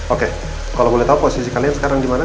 oke kalau boleh tau posisi kalian sekarang dimana